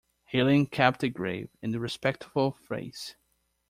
Helene kept a grave and respectful face.